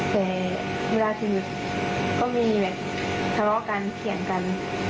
แต่เวลาสนิทก็มีแบบทะเลาะกันเถียงกัน